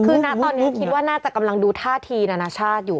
คือนะตอนนี้คิดว่าน่าจะกำลังดูท่าทีนานาชาติอยู่